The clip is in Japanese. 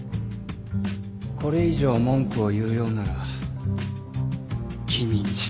これ以上文句を言うようなら君に失望するよ。